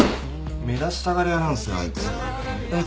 目立ちたがり屋なんすよ